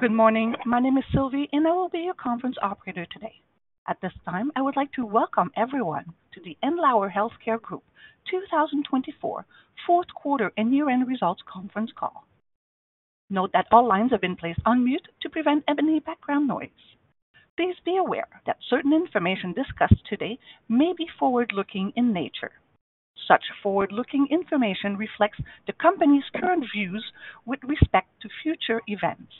Good morning. My name is Sylvie, and I will be your conference operator today. At this time, I would like to welcome everyone to the Andlauer Healthcare Group 2024 Q4 and Year-End Results Conference Call. Note that all lines have been placed on mute to prevent any background noise. Please be aware that certain information discussed today may be forward-looking in nature. Such forward-looking information reflects the company's current views with respect to future events.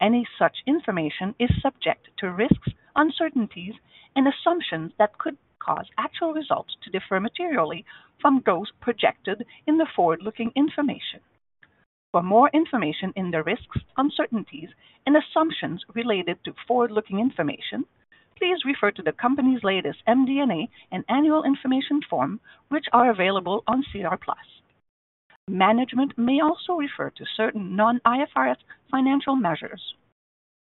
Any such information is subject to risks, uncertainties, and assumptions that could cause actual results to differ materially from those projected in the forward-looking information. For more information in the risks, uncertainties, and assumptions related to forward-looking information, please refer to the company's latest MD&A and annual information form, which are available on SEDAR+. Management may also refer to certain non-IFRS financial measures.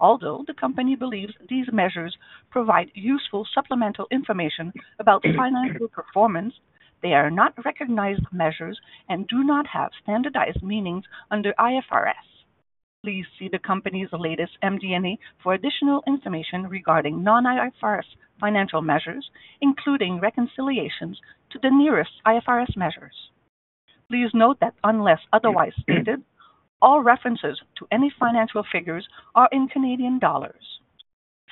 Although the company believes these measures provide useful supplemental information about financial performance, they are not recognized measures and do not have standardized meanings under IFRS. Please see the company's latest MD&A for additional information regarding non-IFRS financial measures, including reconciliations to the nearest IFRS measures. Please note that unless otherwise stated, all references to any financial figures are in Canadian dollars.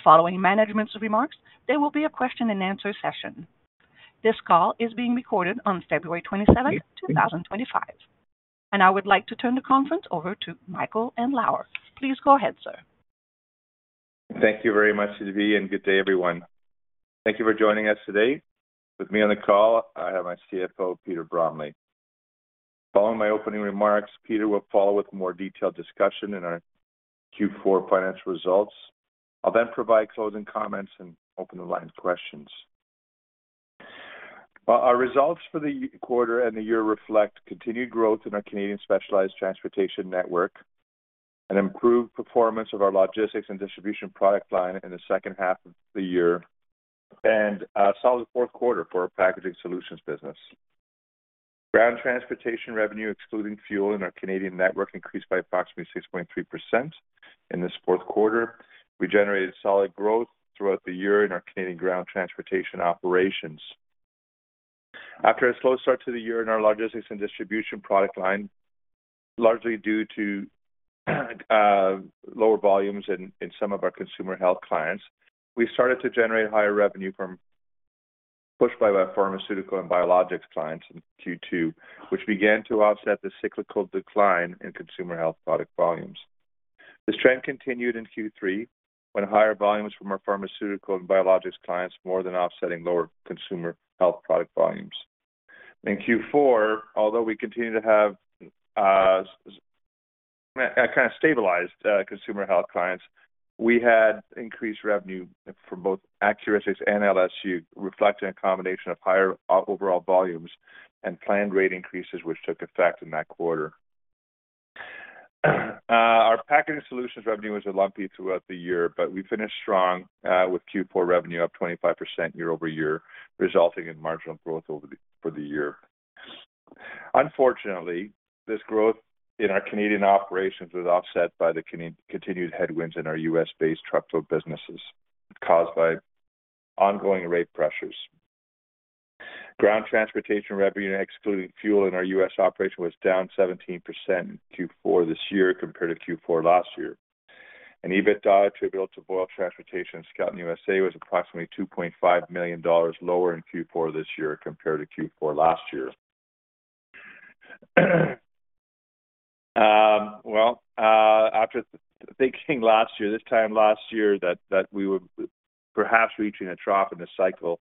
Following management's remarks, there will be a question-and-answer session. This call is being recorded on February 27, 2025, and I would like to turn the conference over to Michael Andlauer. Please go ahead, sir. Thank you very much, Sylvie, and good day, everyone. Thank you for joining us today. With me on the call, I have my CFO, Peter Bromley. Following my opening remarks, Peter will follow with a more detailed discussion in our Q4 financial results. I'll then provide closing comments and open the line for questions. Our results for the quarter and the year reflect continued growth in our Canadian Specialized Transportation Network, an improved performance of our logistics and distribution product line in the second half of the year, and a solid Q4 for our packaging solutions business. Ground transportation revenue, excluding fuel in our Canadian network, increased by approximately 6.3% in this Q4. We generated solid growth throughout the year in our Canadian ground transportation operations. After a slow start to the year in our logistics and distribution product line, largely due to lower volumes in some of our consumer health clients, we started to generate higher revenue from pushback by pharmaceutical and biologics clients in Q2, which began to offset the cyclical decline in consumer health product volumes. The trend continued in Q3 when higher volumes from our pharmaceutical and biologics clients more than offsetting lower consumer health product volumes. In Q4, although we continued to have kind of stabilized consumer health clients, we had increased revenue for both Accuristix and MCL, reflecting a combination of higher overall volumes and planned rate increases, which took effect in that quarter. Our packaging solutions revenue was lumpy throughout the year, but we finished strong with Q4 revenue up 25% year-over-year, resulting in marginal growth for the year. Unfortunately, this growth in our Canadian operations was offset by the continued headwinds in our U.S.-based truckload businesses caused by ongoing rate pressures. Ground transportation revenue, excluding fuel in our U.S. operation, was down 17% in Q4 this year compared to Q4 last year. And EBITDA attributable to Boyle Transportation and Skelton USA was approximately 2.5 million dollars lower in Q4 this year compared to Q4 last year. After thinking last year, this time last year that we were perhaps reaching a trough in the cycle,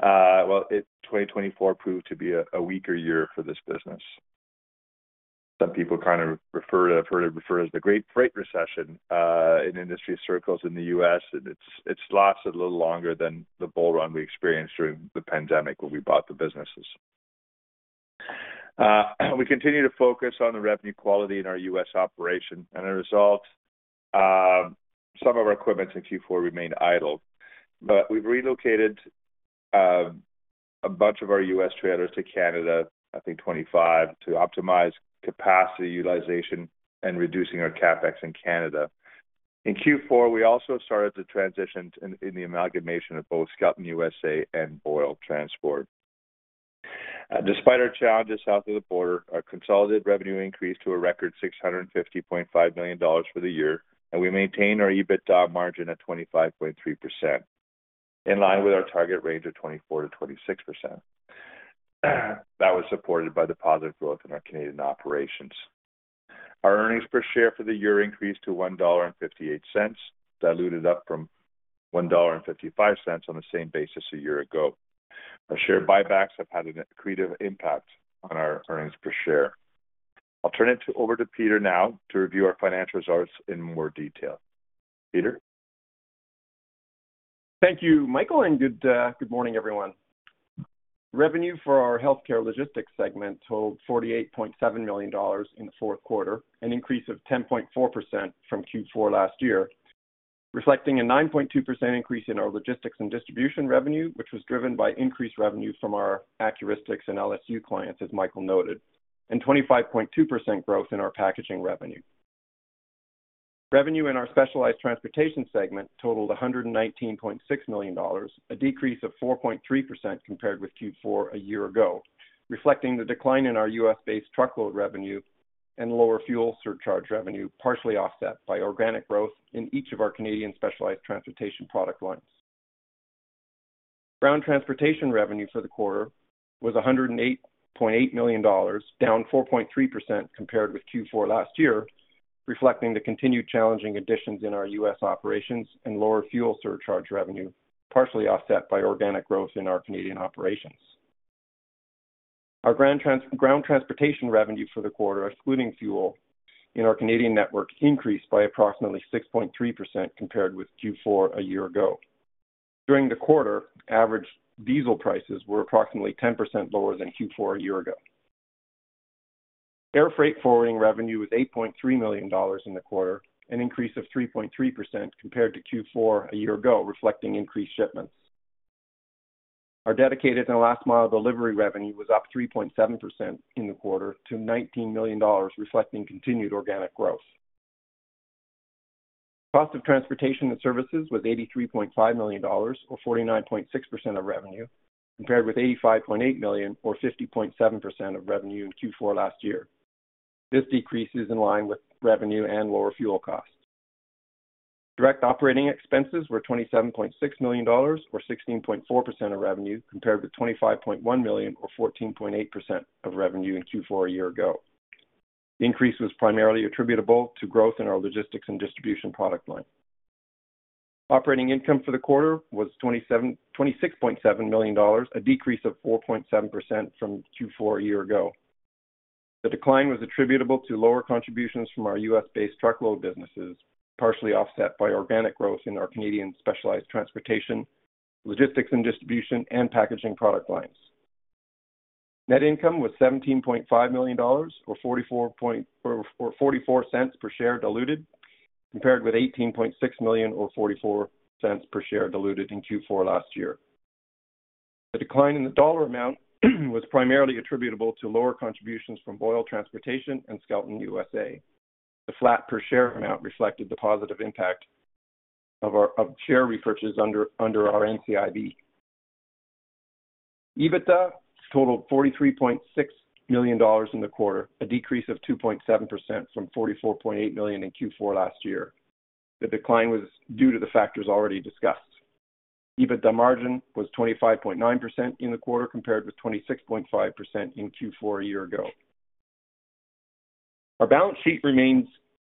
2024 proved to be a weaker year for this business. Some people kind of refer to it. I've heard it referred to as the Great Freight Recession in industry circles in the U.S., and it's lasted a little longer than the bull run we experienced during the pandemic when we bought the businesses. We continue to focus on the revenue quality in our U.S. operation, and as a result, some of our equipment in Q4 remained idle. But we've relocated a bunch of our U.S. trailers to Canada, I think 25, to optimize capacity utilization and reducing our CapEx in Canada. In Q4, we also started to transition in the amalgamation of both Skelton USA and Boyle Transportation. Despite our challenges south of the border, our consolidated revenue increased to a record 650.5 million dollars for the year, and we maintained our EBITDA margin at 25.3%, in line with our target range of 24%-26%. That was supported by the positive growth in our Canadian operations. Our earnings per share for the year increased to 1.58 dollar, diluted up from 1.55 dollar on the same basis a year ago. Our share buybacks have had a accretive impact on our earnings per share. I'll turn it over to Peter now to review our financial results in more detail. Peter. Thank you, Michael, and good morning, everyone. Revenue for our healthcare logistics segment totaled 48.7 million dollars in the Q4, an increase of 10.4% from Q4 last year, reflecting a 9.2% increase in our logistics and distribution revenue, which was driven by increased revenue from our Accuristix and MCL clients, as Michael noted, and 25.2% growth in our packaging revenue. Revenue in our specialized transportation segment totaled 119.6 million dollars, a decrease of 4.3% compared with Q4 a year ago, reflecting the decline in our U.S.-based truckload revenue and lower fuel surcharge revenue, partially offset by organic growth in each of our Canadian specialized transportation product lines. Ground transportation revenue for the quarter was 108.8 million dollars, down 4.3% compared with Q4 last year, reflecting the continued challenging conditions in our U.S. operations and lower fuel surcharge revenue, partially offset by organic growth in our Canadian operations. Our ground transportation revenue for the quarter, excluding fuel in our Canadian network, increased by approximately 6.3% compared with Q4 a year ago. During the quarter, average diesel prices were approximately 10% lower than Q4 a year ago. Air freight forwarding revenue was 8.3 million dollars in the quarter, an increase of 3.3% compared to Q4 a year ago, reflecting increased shipments. Our dedicated and last-mile delivery revenue was up 3.7% in the quarter to 19 million dollars, reflecting continued organic growth. Cost of transportation and services was 83.5 million dollars, or 49.6% of revenue, compared with 85.8 million, or 50.7% of revenue in Q4 last year. This decrease is in line with revenue and lower fuel costs. Direct operating expenses were 27.6 million dollars, or 16.4% of revenue, compared with 25.1 million, or 14.8% of revenue in Q4 a year ago. The increase was primarily attributable to growth in our logistics and distribution product line. Operating income for the quarter was 26.7 million dollars, a decrease of 4.7% from Q4 a year ago. The decline was attributable to lower contributions from our U.S.-based truckload businesses, partially offset by organic growth in our Canadian specialized transportation, logistics and distribution, and packaging product lines. Net income was 17.5 million dollars, or 0.44 per share diluted, compared with 18.6 million, or 0.44 per share diluted in Q4 last year. The decline in the dollar amount was primarily attributable to lower contributions from Boyle Transportation and Skelton USA. The flat per share amount reflected the positive impact of share repurchase under our NCIB. EBITDA totaled 43.6 million dollars in the quarter, a decrease of 2.7% from 44.8 million in Q4 last year. The decline was due to the factors already discussed. EBITDA margin was 25.9% in the quarter compared with 26.5% in Q4 a year ago. Our balance sheet remains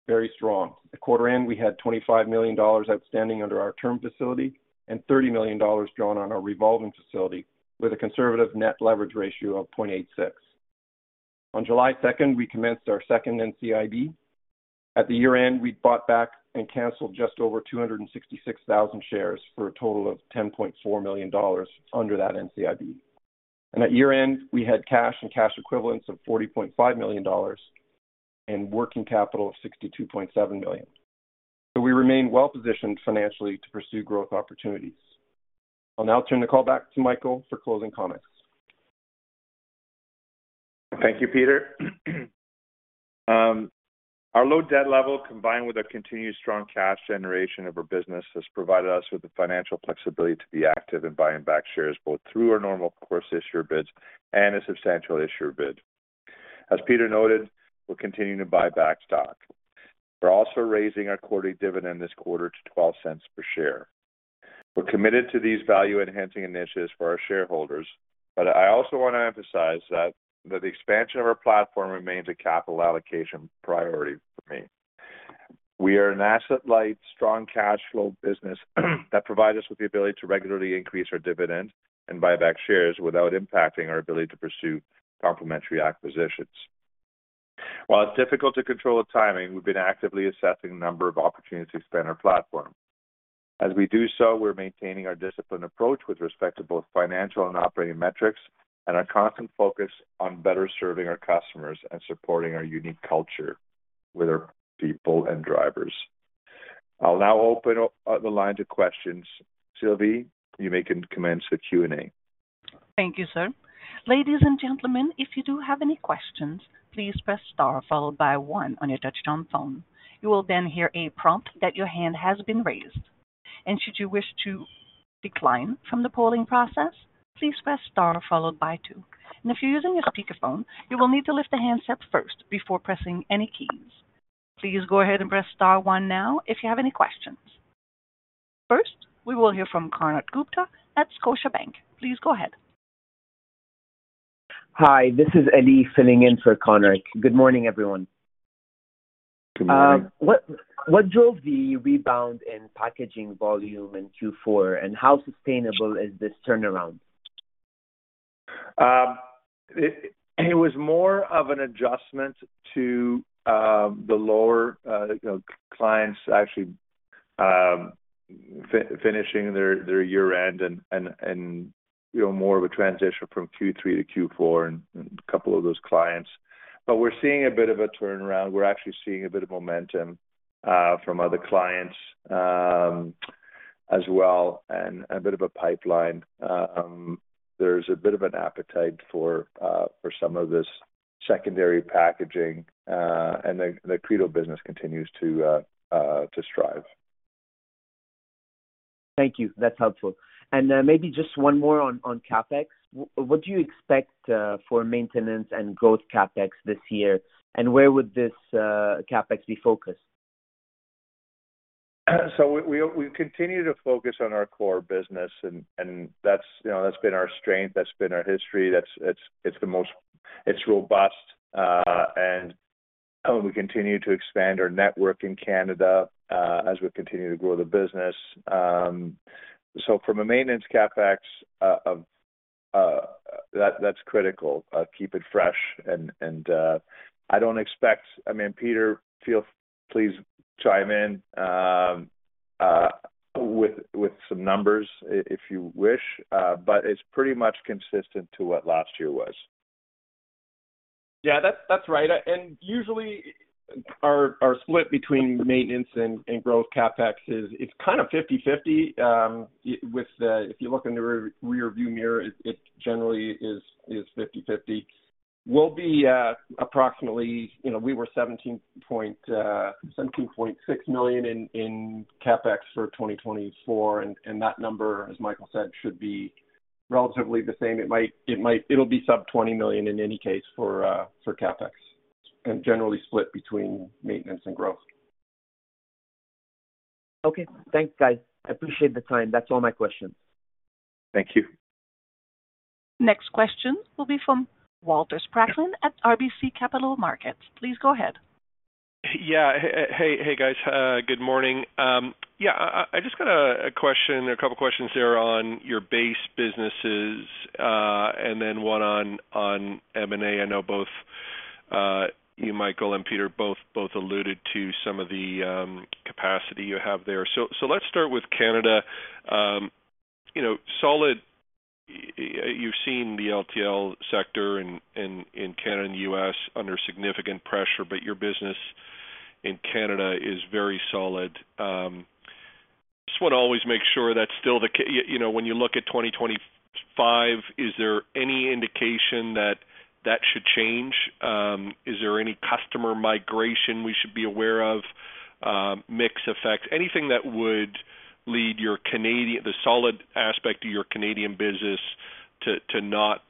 very strong. At quarter end, we had 25 million dollars outstanding under our term facility and 30 million dollars drawn on our revolving facility, with a conservative net leverage ratio of 0.86. On July 2nd, we commenced our second NCIB. At the year end, we bought back and canceled just over 266,000 shares for a total of 10.4 million dollars under that NCIB, and at year end, we had cash and cash equivalents of 40.5 million dollars and working capital of 62.7 million, so we remain well-positioned financially to pursue growth opportunities. I'll now turn the call back to Michael for closing comments. Thank you, Peter. Our low debt level, combined with our continued strong cash generation of our business, has provided us with the financial flexibility to be active in buying back shares both through our normal course issuer bid and a substantial issuer bid. As Peter noted, we're continuing to buy back stock. We're also raising our quarterly dividend this quarter to 0.12 per share. We're committed to these value-enhancing initiatives for our shareholders, but I also want to emphasize that the expansion of our platform remains a capital allocation priority for me. We are an asset-light, strong cash flow business that provides us with the ability to regularly increase our dividend and buy back shares without impacting our ability to pursue complementary acquisitions. While it's difficult to control the timing, we've been actively assessing the number of opportunities to expand our platform. As we do so, we're maintaining our disciplined approach with respect to both financial and operating metrics and our constant focus on better serving our customers and supporting our unique culture with our people and drivers. I'll now open the line to questions. Sylvie, you may commence the Q&A. Thank you, sir. Ladies and gentlemen, if you do have any questions, please press star followed by one on your touch-tone phone. You will then hear a prompt that your hand has been raised. And should you wish to decline from the polling process, please press star followed by two. And if you're using your speakerphone, you will need to lift the handset first before pressing any keys. Please go ahead and press star one now if you have any questions. First, we will hear from Konark Gupta at Scotiabank. Please go ahead. Hi, this is Ellie filling in for Konark. Good morning, everyone. Good morning. What drove the rebound in packaging volume in Q4, and how sustainable is this turnaround? It was more of an adjustment to the lower clients actually finishing their year-end and more of a transition from Q3 to Q4 and a couple of those clients, but we're seeing a bit of a turnaround. We're actually seeing a bit of momentum from other clients as well and a bit of a pipeline. There's a bit of an appetite for some of this secondary packaging, and the Credo business continues to thrive. Thank you. That's helpful. And maybe just one more on CapEx. What do you expect for maintenance and growth CapEx this year, and where would this CapEx be focused? So we continue to focus on our core business, and that's been our strength. That's been our history. It's robust, and we continue to expand our network in Canada as we continue to grow the business. So from a maintenance CapEx, that's critical. Keep it fresh. And I don't expect, I mean, Peter, please chime in with some numbers if you wish, but it's pretty much consistent to what last year was. Yeah, that's right. And usually, our split between maintenance and growth CapEx is kind of 50/50. If you look in the rearview mirror, it generally is 50/50. We'll be approximately. We were 17.6 million in CapEx for 2024, and that number, as Michael said, should be relatively the same. It'll be sub-CAD 20 million in any case for CapEx, and generally split between maintenance and growth. Okay. Thanks, guys. I appreciate the time. That's all my questions. Thank you. Next question will be from Walter Spracklin at RBC Capital Markets. Please go ahead. Yeah. Hey, guys. Good morning. Yeah, I just got a question, a couple of questions there on your base businesses and then one on M&A. I know both you, Michael, and Peter both alluded to some of the capacity you have there, so let's start with Canada. You've seen the LTL sector in Canada and the U.S. under significant pressure, but your business in Canada is very solid. Just want to always make sure that's still the case when you look at 2025. Is there any indication that that should change? Is there any customer migration we should be aware of, mixed effects, anything that would lead the solid aspect of your Canadian business to not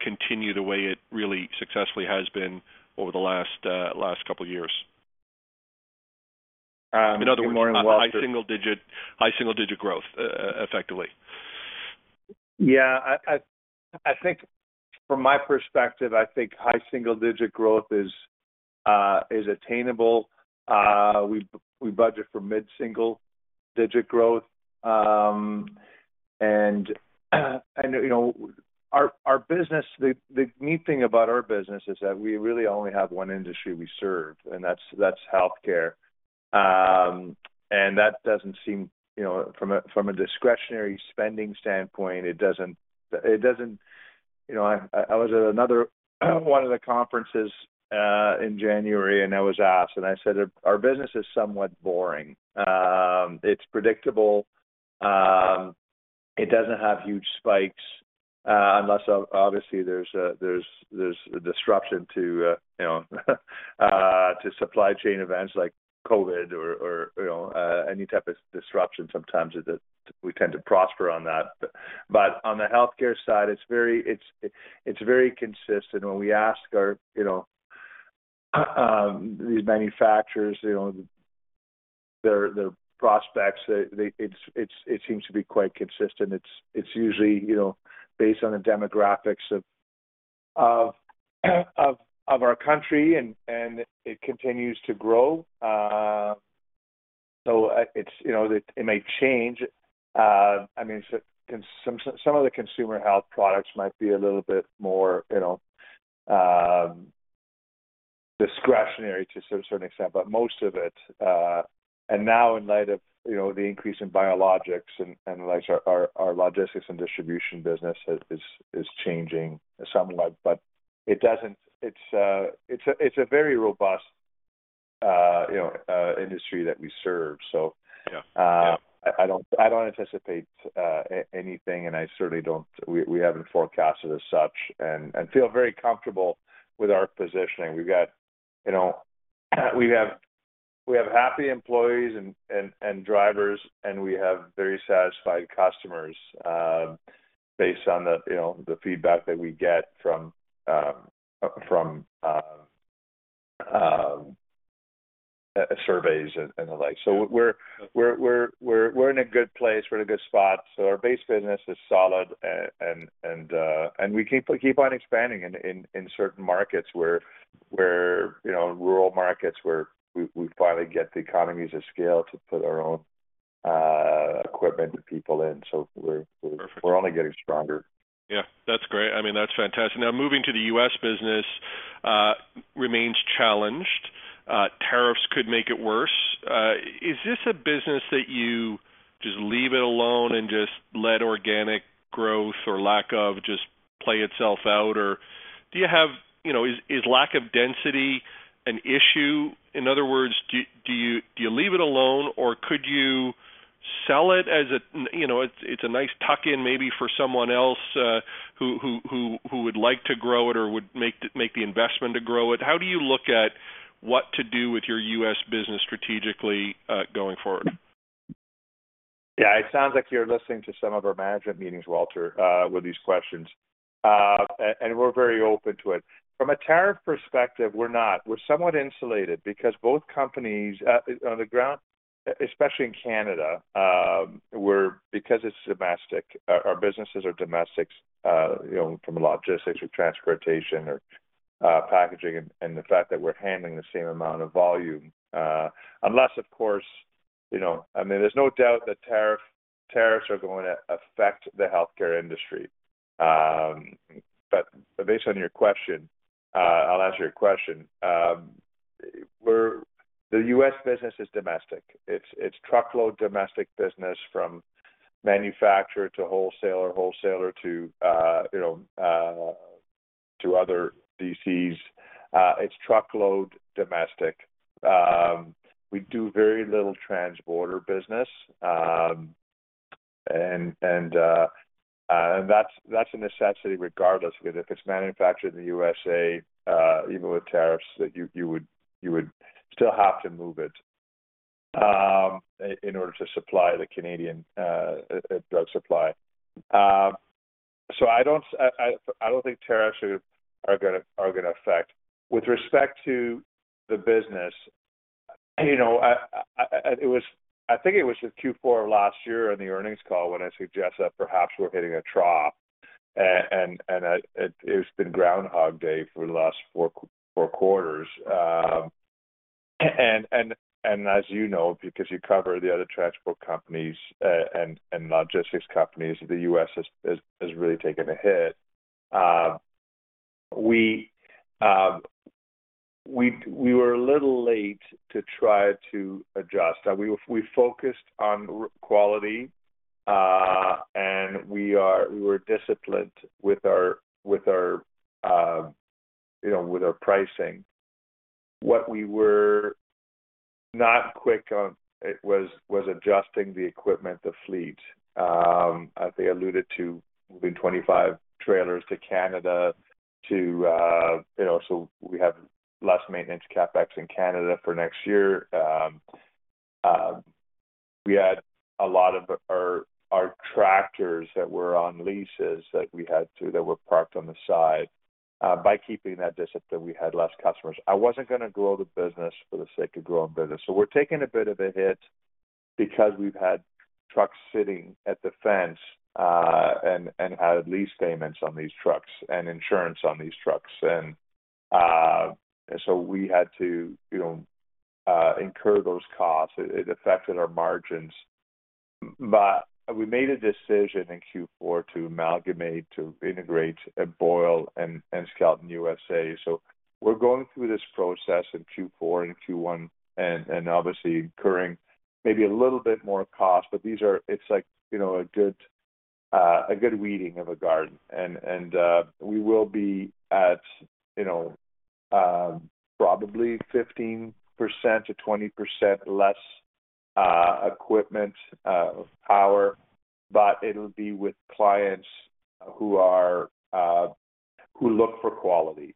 continue the way it really successfully has been over the last couple of years? In other words, high single-digit growth, effectively. Yeah. From my perspective, I think high single-digit growth is attainable. We budget for mid-single-digit growth. And our business, the neat thing about our business is that we really only have one industry we serve, and that's healthcare. And that doesn't seem, from a discretionary spending standpoint, it doesn't, I was at one of the conferences in January, and I was asked, and I said, "Our business is somewhat boring. It's predictable. It doesn't have huge spikes unless, obviously, there's a disruption to supply chain events like COVID or any type of disruption. Sometimes we tend to prosper on that." But on the healthcare side, it's very consistent. When we ask these manufacturers their prospects, it seems to be quite consistent. It's usually based on the demographics of our country, and it continues to grow. So it may change. I mean, some of the consumer health products might be a little bit more discretionary to a certain extent, but most of it. And now, in light of the increase in biologics and our logistics and distribution business, it's changing somewhat. But it's a very robust industry that we serve. So I don't anticipate anything, and I certainly don't—we haven't forecasted as such. And I feel very comfortable with our positioning. We have happy employees and drivers, and we have very satisfied customers based on the feedback that we get from surveys and the like. So we're in a good place. We're in a good spot. So our base business is solid, and we keep on expanding in certain markets where we finally get the economies of scale to put our own equipment and people in. So we're only getting stronger. Yeah. That's great. I mean, that's fantastic. Now, moving to the U.S. business remains challenged. Tariffs could make it worse. Is this a business that you just leave it alone and just let organic growth or lack of just play itself out? Or do you have, is lack of density an issue? In other words, do you leave it alone, or could you sell it as a, it's a nice tuck-in maybe for someone else who would like to grow it or would make the investment to grow it? How do you look at what to do with your U.S. business strategically going forward? Yeah. It sounds like you're listening to some of our management meetings, Walter, with these questions and we're very open to it. From a tariff perspective, we're not. We're somewhat insulated because both companies on the ground, especially in Canada, because it's domestic, our businesses are domestics from logistics or transportation or packaging and the fact that we're handling the same amount of volume. Unless, of course, I mean, there's no doubt that tariffs are going to affect the healthcare industry but based on your question, I'll answer your question. The U.S. business is domestic. It's truckload domestic business from manufacturer to wholesaler, wholesaler to other DCs. It's truckload domestic. We do very little transborder business and that's a necessity regardless because if it's manufactured in the USA, even with tariffs, you would still have to move it in order to supply the Canadian drug supply. I don't think tariffs are going to affect. With respect to the business, I think it was just Q4 last year on the earnings call when I suggested that perhaps we're hitting a trough, and it's been Groundhog Day for the last four quarters. As you know, because you cover the other transport companies and logistics companies, the U.S. has really taken a hit. We were a little late to try to adjust. We focused on quality, and we were disciplined with our pricing. What we were not quick on was adjusting the equipment, the fleet. I think I alluded to moving 25 trailers to Canada, so we have less maintenance CapEx in Canada for next year. We had a lot of our tractors that were on leases that were parked on the side. By keeping that discipline, we had less customers. I wasn't going to grow the business for the sake of growing business. So we're taking a bit of a hit because we've had trucks sitting at the fence and had lease payments on these trucks and insurance on these trucks. And so we had to incur those costs. It affected our margins. But we made a decision in Q4 to amalgamate, to integrate, and Boyle, and Skelton in the USA. So we're going through this process in Q4 and Q1 and obviously incurring maybe a little bit more cost, but it's like a good weeding of a garden. And we will be at probably 15%-20% less equipment power, but it'll be with clients who look for quality.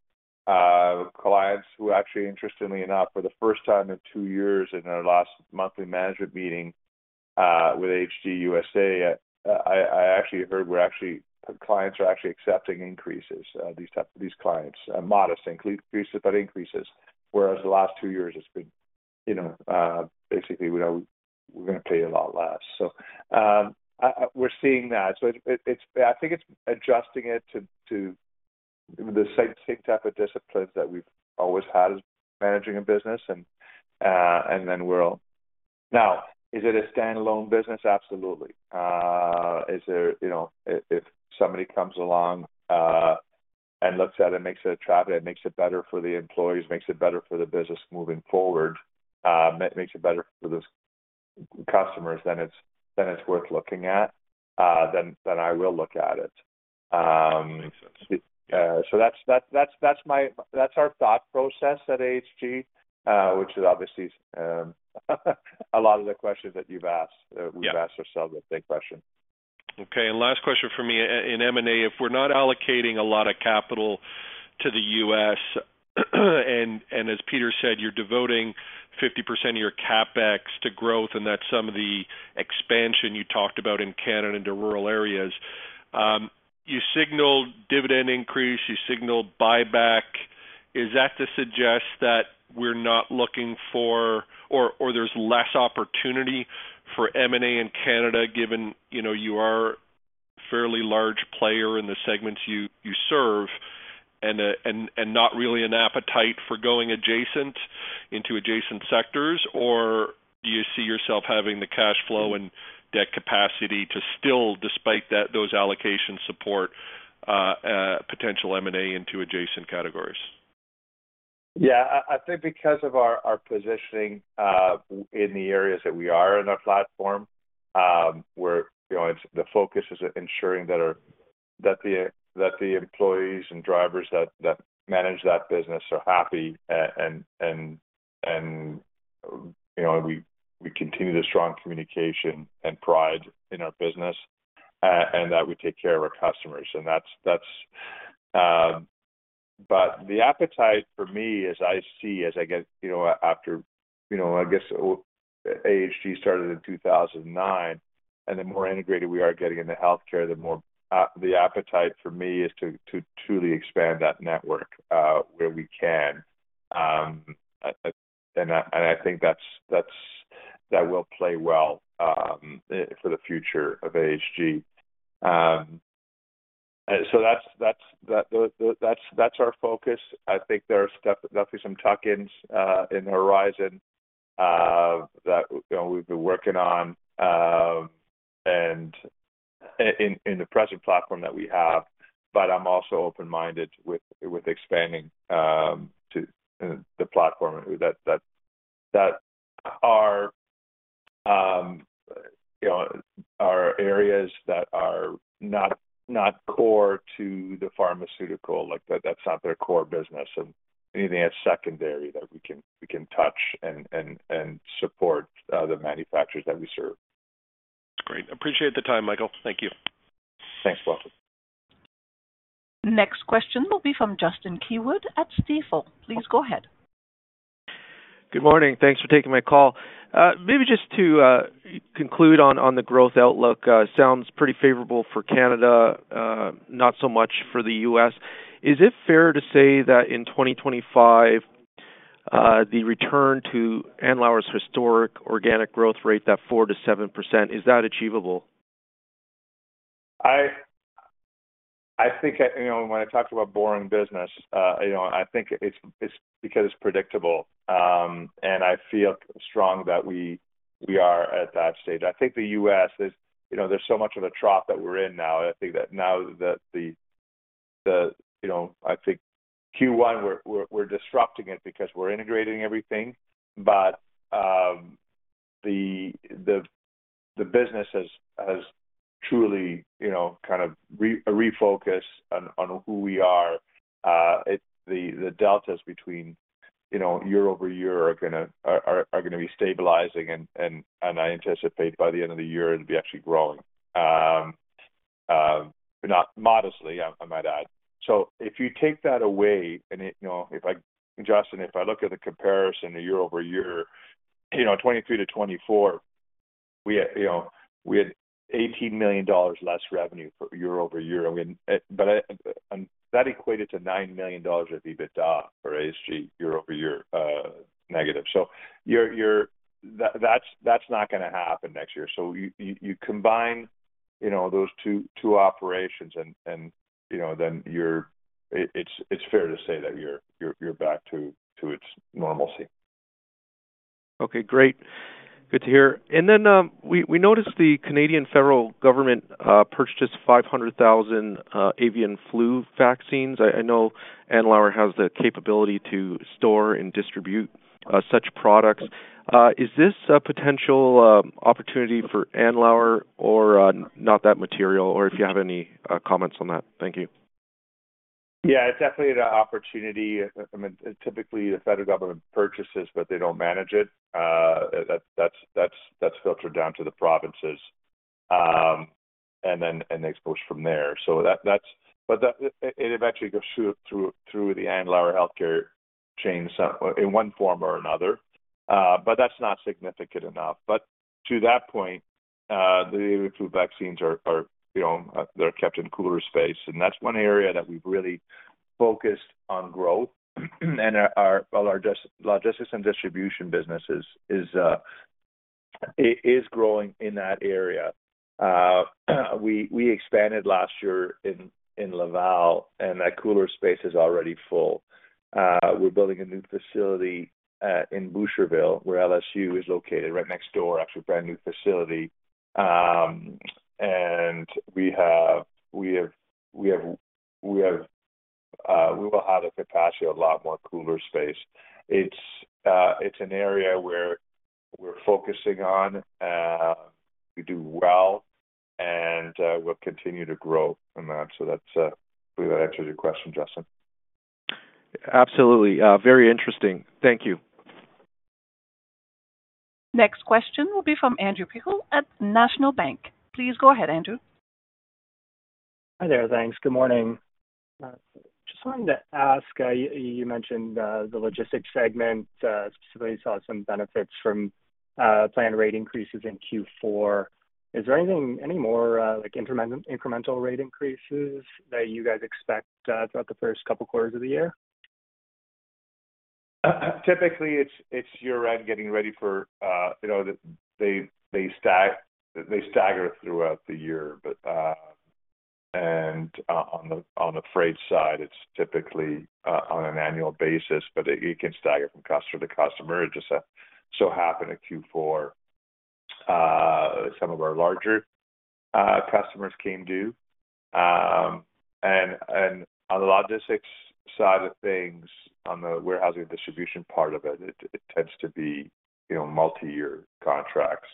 Clients who actually, interestingly enough, for the first time in two years in our last monthly management meeting with AHG USA, I actually heard clients are actually accepting increases, these clients, modest increases, but increases. Whereas the last two years, it's been basically, "we're going to pay a lot less," so we're seeing that, so I think it's adjusting it to the same type of disciplines that we've always had managing a business. And then we'll. Now, is it a standalone business? Absolutely. If somebody comes along and looks at it and makes it attractive, makes it better for the employees, makes it better for the business moving forward, makes it better for the customers, then it's worth looking at, then I will look at it, so that's our thought process at HG, which is obviously a lot of the questions that we've asked. We've asked ourselves the same question. Okay, and last question for me. In M&A, if we're not allocating a lot of capital to the U.S., and as Peter said, you're devoting 50% of your CapEx to growth, and that's some of the expansion you talked about in Canada into rural areas, you signaled dividend increase, you signaled buyback. Is that to suggest that we're not looking for, or there's less opportunity for M&A in Canada given you are a fairly large player in the segments you serve and not really an appetite for going into adjacent sectors? Or do you see yourself having the cash flow and debt capacity to still, despite those allocations, support potential M&A into adjacent categories? Yeah. I think because of our positioning in the areas that we are in our platform, the focus is ensuring that the employees and drivers that manage that business are happy, and we continue the strong communication and pride in our business, and that we take care of our customers. And that's, but the appetite for me, as I see, as I get after, I guess, AHG started in 2009, and the more integrated we are getting into healthcare, the more the appetite for me is to truly expand that network where we can. And I think that will play well for the future of AHG. So that's our focus. I think there are definitely some tuck-ins in the horizon that we've been working on in the present platform that we have, but I'm also open-minded with expanding to the platform. Our areas that are not core to the pharmaceutical. That's not their core business, and anything that's secondary that we can touch and support the manufacturers that we serve. That's great. Appreciate the time, Michael. Thank you. Thanks, Walter. Next question will be from Justin Keywood at Stifel. Please go ahead. Good morning. Thanks for taking my call. Maybe just to conclude on the growth outlook, sounds pretty favorable for Canada, not so much for the U.S. Is it fair to say that in 2025, the return to Andlauer's historic organic growth rate that 4%-7%, is that achievable? I think when I talked about boring business, I think it's because it's predictable, and I feel strong that we are at that stage. I think the U.S., there's so much of a trough that we're in now. I think that now that the, I think Q1, we're disrupting it because we're integrating everything, but the business has truly kind of refocused on who we are. The deltas between year-over-year are going to be stabilizing, and I anticipate by the end of the year, it'll be actually growing, not modestly, I might add, so if you take that away, and if I, Justin, if I look at the comparison year-over-year, 23-24, we had 18 million dollars less revenue year-over-year, but that equated to 9 million dollars of EBITDA for AHG year-over-year negative, so that's not going to happen next year. So you combine those two operations, and then it's fair to say that you're back to its normalcy. Okay. Great. Good to hear. And then we noticed the Canadian federal government purchased just 500,000 avian flu vaccines. I know Andlauer has the capability to store and distribute such products. Is this a potential opportunity for Andlauer or not that material, or if you have any comments on that? Thank you. Yeah. It's definitely an opportunity. I mean, typically, the federal government purchases, but they don't manage it. That's filtered down to the provinces and then they source from there. But it eventually goes through the Andlauer Healthcare chain in one form or another. But that's not significant enough. But to that point, the avian flu vaccines are kept in cooler space. And that's one area that we've really focused on growth. And our logistics and distribution business is growing in that area. We expanded last year in Laval, and that cooler space is already full. We're building a new facility in Boucherville where MCL is located, right next door, actually a brand new facility. And we will have the capacity of a lot more cooler space. It's an area where we're focusing on. We do well, and we'll continue to grow in that. So that's, we hope that answers your question, Justin. Absolutely. Very interesting. Thank you. Next question will be from Andrew Pikul at National Bank Financial. Please go ahead, Andrew. Hi there. Thanks. Good morning. Just wanted to ask, you mentioned the logistics segment, specifically saw some benefits from planned rate increases in Q4. Is there any more incremental rate increases that you guys expect throughout the first couple of quarters of the year? Typically, it's year-round getting ready for. They stagger throughout the year, and on the freight side, it's typically on an annual basis, but it can stagger from customer to customer. It just so happened at Q4, some of our larger customers came due, and on the logistics side of things, on the warehousing distribution part of it, it tends to be multi-year contracts,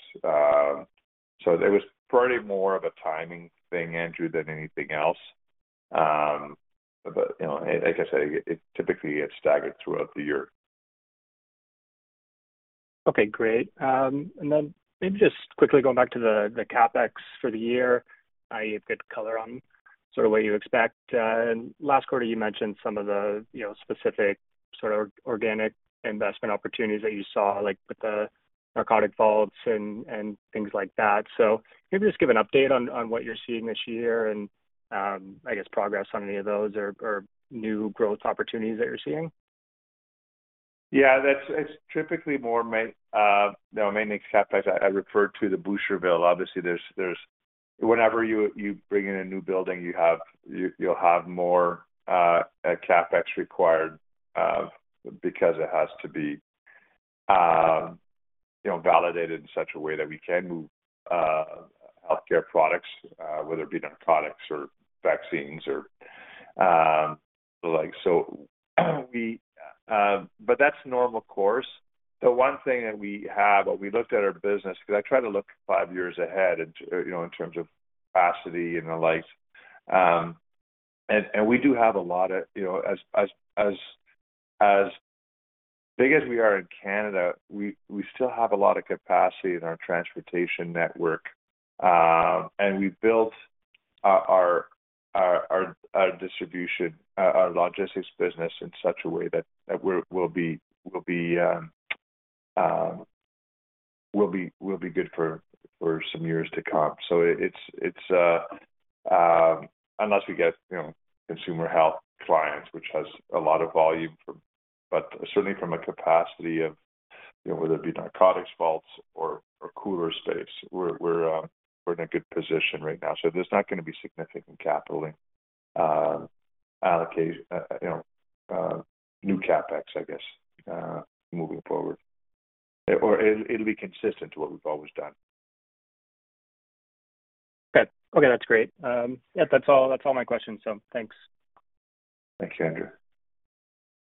so it was probably more of a timing thing, Andrew, than anything else, but like I said, it typically gets staggered throughout the year. Okay. Great. And then maybe just quickly going back to the CapEx for the year. I need a good color on sort of what you expect. Last quarter, you mentioned some of the specific sort of organic investment opportunities that you saw, like with the narcotic vaults and things like that. So maybe just give an update on what you're seeing this year and, I guess, progress on any of those or new growth opportunities that you're seeing. Yeah. It's typically more mainly CapEx. I referred to the Boucherville. Obviously, whenever you bring in a new building, you'll have more CapEx required because it has to be validated in such a way that we can move healthcare products, whether it be narcotics or vaccines. But that's normal course. The one thing that we have, what we looked at our business, because I try to look five years ahead in terms of capacity and the likes. And we do have a lot of, as big as we are in Canada, we still have a lot of capacity in our transportation network. And we built our distribution, our logistics business in such a way that we'll be good for some years to come. So it's unless we get consumer health clients, which has a lot of volume, but certainly from a capacity of whether it be narcotics vaults or cooler space, we're in a good position right now. So there's not going to be significant capital allocation, new CapEx, I guess, moving forward. Or it'll be consistent to what we've always done. Okay. Okay. That's great. Yeah. That's all my questions. So thanks. Thank you, Andrew.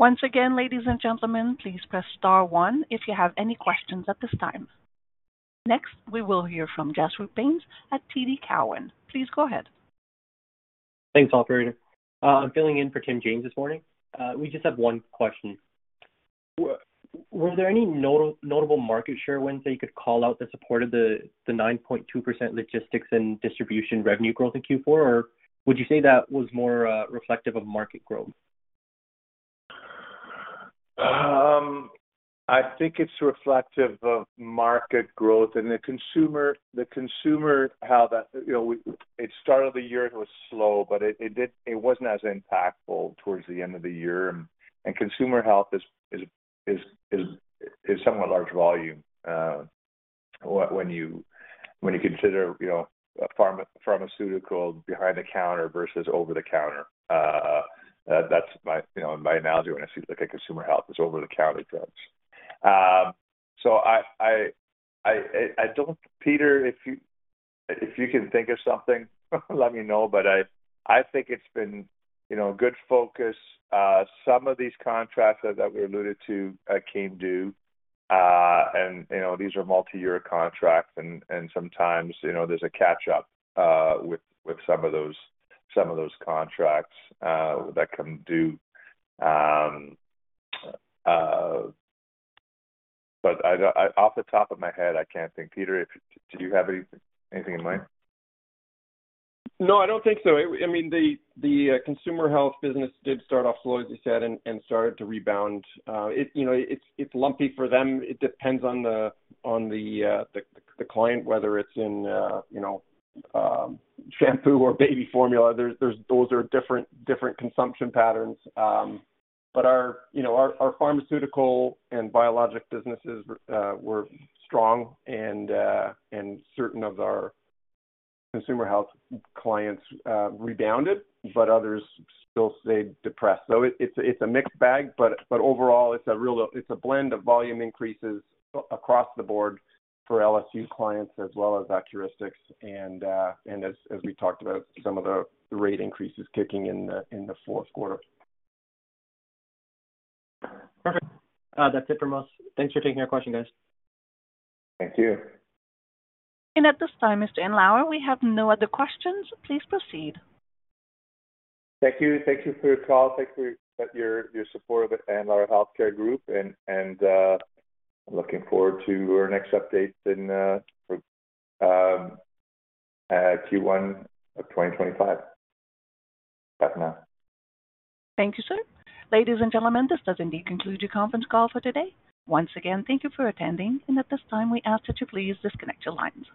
Once again, ladies and gentlemen, please press star one if you have any questions at this time. Next, we will hear from Jasper Bains at TD Cowen. Please go ahead. Thanks, Operator. I'm filling in for Tim James this morning. We just have one question. Were there any notable market share wins that you could call out that supported the 9.2% logistics and distribution revenue growth in Q4? Or would you say that was more reflective of market growth? I think it's reflective of market growth. And the consumer health, it started the year. It was slow, but it wasn't as impactful towards the end of the year. And consumer health is somewhat large volume when you consider pharmaceutical behind the counter versus over-the-counter. That's my analogy when I see consumer health is over-the-counter drugs. So I don't, Peter, if you can think of something, let me know. But I think it's been good focus. Some of these contracts that we alluded to came due. And these are multi-year contracts. And sometimes there's a catch-up with some of those contracts that come due. But off the top of my head, I can't think. Peter, do you have anything in mind? No, I don't think so. I mean, the consumer health business did start off slow, as you said, and started to rebound. It's lumpy for them. It depends on the client, whether it's in shampoo or baby formula. Those are different consumption patterns. But our pharmaceutical and biologics businesses were strong and certain of our consumer health clients rebounded, but others still stayed depressed. So it's a mixed bag. But overall, it's a blend of volume increases across the board for MCL clients as well as Accuristix. And as we talked about, some of the rate increases kicking in the Q4. Perfect. That's it from us. Thanks for taking our questions, guys. Thank you. At this time, Mr. Andlauer, we have no other questions. Please proceed. Thank you. Thank you for your call. Thank you for your support of Andlauer Healthcare Group. And I'm looking forward to our next update in Q1 of 2025. That's now. Thank you, sir. Ladies and gentlemen, this does indeed conclude your conference call for today. Once again, thank you for attending. And at this time, we ask that you please disconnect your lines.